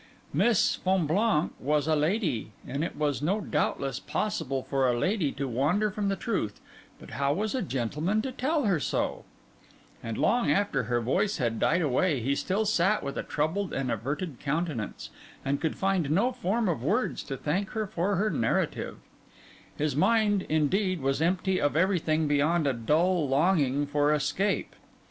Miss Fonblanque was a lady, and it was doubtless possible for a lady to wander from the truth; but how was a gentleman to tell her so? His spirits for some time had been sinking, but they now fell to zero; and long after her voice had died away he still sat with a troubled and averted countenance, and could find no form of words to thank her for her narrative. His mind, indeed, was empty of everything beyond a dull longing for escape.